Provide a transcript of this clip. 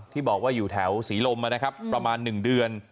ที่บอกว่าอยู่แถวศรีลมนะครับประมาณ๑เดือน